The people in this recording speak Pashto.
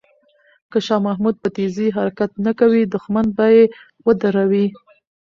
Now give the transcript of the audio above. که شاه محمود په تېزۍ حرکت نه کوي، دښمن به یې ودروي.